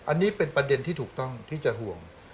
อันนี้เป็นประเด็นที่ถูกต้องที่จะห่วง